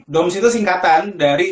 doms itu singkatan dari